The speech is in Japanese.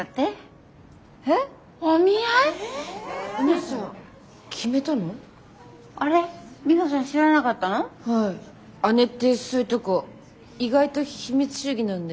姉ってそういうとこ意外と秘密主義なんで。